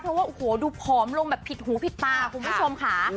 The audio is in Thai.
เพราะว่าโอ้โหดูผอมลงแบบผิดหูผิดตาคุณผู้ชมค่ะ